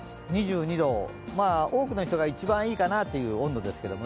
２２度、多くの人が一番いいかなという温度ですけれども。